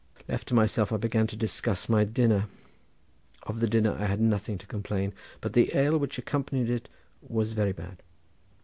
Left to myself I began to discuss my dinner. Of the dinner I had nothing to complain, but the ale which accompanied it was very bad.